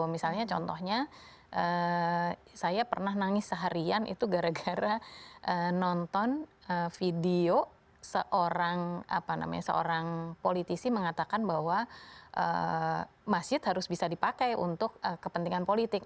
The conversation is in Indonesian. misalnya contohnya saya pernah nangis seharian itu gara gara nonton video seorang politisi mengatakan bahwa masjid harus bisa dipakai untuk kepentingan politik